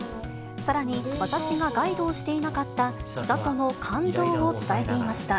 さらに私がガイドをしていなかったちさとの感情を伝えていました。